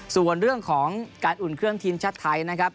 ส่วนเรื่องของการอุ่นเครื่องทีมชาติไทยนะครับ